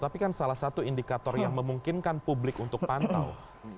tapi kan salah satu indikator yang memungkinkan publik untuk pantau